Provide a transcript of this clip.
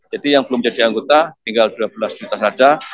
jadi yang belum jadi anggota tinggal dua belas juta saja